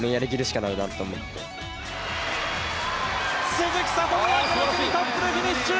鈴木聡美がこの組のトップでフィニッシュ。